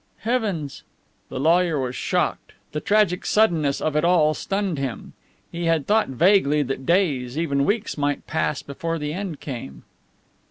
"Heavens!" The lawyer was shocked. The tragic suddenness of it all stunned him. He had thought vaguely that days, even weeks, might pass before the end came.